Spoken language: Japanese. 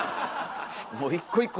もう一個一個「えぇ！」